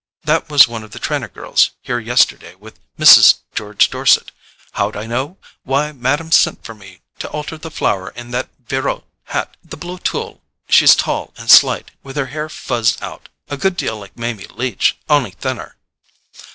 That was one of the Trenor girls here yesterday with Mrs. George Dorset. How'd I know? Why, Madam sent for me to alter the flower in that Virot hat—the blue tulle: she's tall and slight, with her hair fuzzed out—a good deal like Mamie Leach, on'y thinner...."